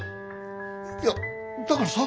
いやだからさ。